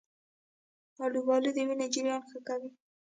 آلوبالو د وینې جریان ښه کوي.